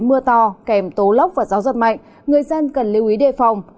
nếu mưa to kèm tố lốc và gió giật mạnh người dân cần lưu ý đề phòng